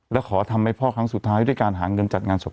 และขอทำให้พ่อครั้งสุดท้ายด้วยการหาเงินจัดงานศพ